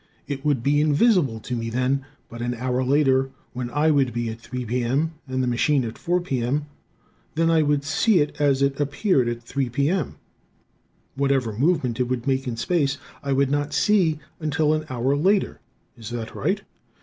It would be invisible to me then, but an hour later when I would be at 3 P. M. and the machine at 4 P. M., then I would see it as it appeared at 3 P. M. Whatever movement it would make in space, I would not see until an hour later. Is that right?